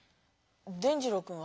伝じろうくんは？